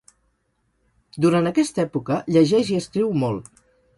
Durant aquesta època llegeix i escriu molt.